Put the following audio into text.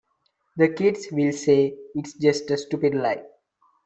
The kids will say it's just a stupid lie.